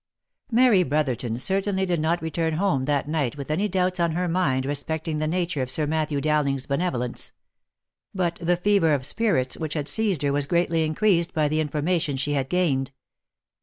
Mary Brotherton certainly did not return home that night with any doubts on her mind respecting the nature of Sir Matthew Dow ling's benevolence ; but the fever of spirits which had seized her was greatly increased by the information she had gained.